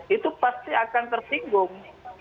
itu pasti akan tersinggung